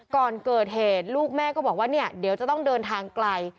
ก่อนเกิดเหตุลูกแม่ก็บอกว่าเนี่ยเดี๋ยวจะต้องเดินทางไกล